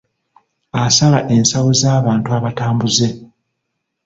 Asala ensawo z'abantu abatambuze.